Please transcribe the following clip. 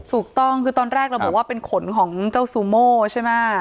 ถูกต้องคือตอนแรกระบุว่าเป็นขนของเจ้าซูโม่ใช่ไหม